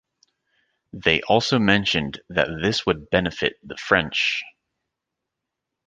They also mentioned that this would benefit the French.